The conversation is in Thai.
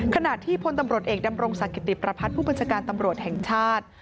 ขณะที่พลตำรวจเอกดำรงศักดิติประพัฒน์ผู้บัญชาการตำรวจแห่งชาติ